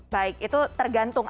baik itu tergantung